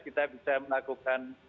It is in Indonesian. kita bisa melakukan